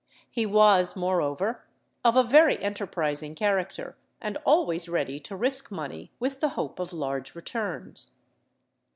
He was, moreover, of a very enterprising character, and always ready to risk money with the hope of large returns.